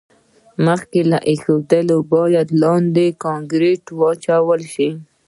مخکې له ایښودلو باید لاندې کانکریټ واچول شي